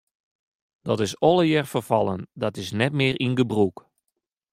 Dat is allegear ferfallen, dat is net mear yn gebrûk.